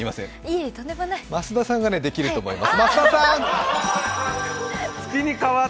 増田さんができると思います。